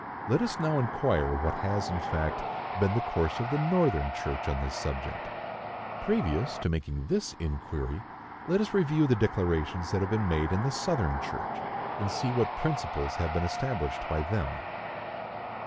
Let us now inquire what has, in fact, been the course of the Northern church on this subject. Previous to making this inquiry, let us review the declarations that have been made in the Southern church, and see what principles have been established by them.